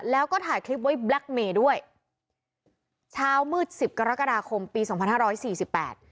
แล้วก็ถ่ายคลิปไว้แบล็คเมย์ด้วยเช้ามืดสิบกรกฎาคมปีสองพันห้าร้อยสี่สิบแปด